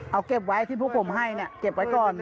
เอาเก็บไว้ที่พวกผมให้เก็บไว้ก่อน